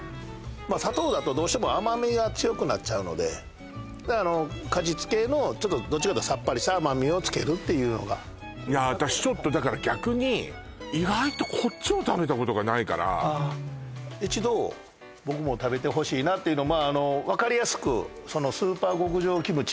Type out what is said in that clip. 砂糖だとどうしても甘みが強くなっちゃうのでだから果実系のどっちかというとさっぱりした甘みをつけるというのが私ちょっとだから逆に意外とこっちを食べたことがないから一度僕も食べてほしいなというの分かりやすくスーパー極上キムチ